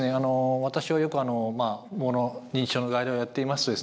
私はよくあの認知症の外来をやっていますとですね